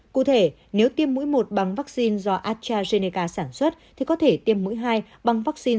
cụ thể nếu tiêm mũi một bằng vaccine do astrazeneca sản xuất thì có thể tiêm mũi hai bằng vaccine